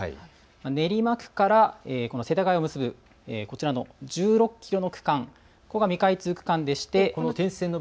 練馬区から世田谷を結ぶこちらの１６キロの区間、こちらが未開通区間です。